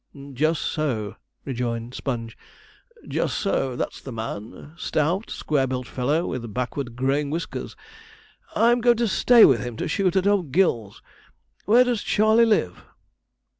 'Just so,' rejoined Sponge, 'just so; that's the man stout, square built fellow, with backward growing whiskers. I'm going to stay with him to shoot at old Gil's. Where does Charley live?'